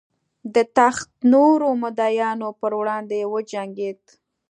د تخت د نورو مدعیانو پر وړاندې وجنګېد.